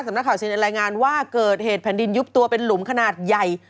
นักข่าวซีนรายงานว่าเกิดเหตุแผ่นดินยุบตัวเป็นหลุมขนาดใหญ่